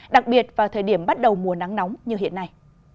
đặc biệt vào thời điểm bắt đầu mùa nắng nóng như hiện nay